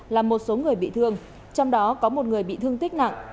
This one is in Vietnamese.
làm một số người bị thương trong đó có một người bị thương tích nặng